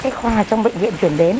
cái khoa trong bệnh viện chuyển đến